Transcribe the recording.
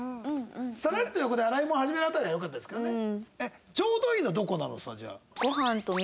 さらりと横で洗い物始められたのが良かったですかね。